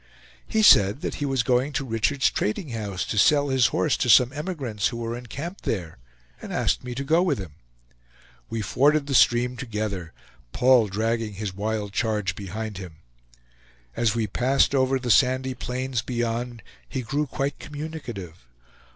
He said that he was going to Richard's trading house to sell his horse to some emigrants who were encamped there, and asked me to go with him. We forded the stream together, Paul dragging his wild charge behind him. As we passed over the sandy plains beyond, he grew quite communicative.